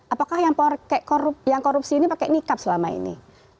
apakah yang korupsi ini pakai nikab selama ini